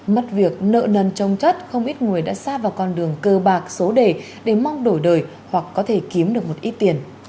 mất việc nợ nần trông chất không ít người đã xa vào con đường cơ bạc số đề để mong đổi đời hoặc có thể kiếm được một ít tiền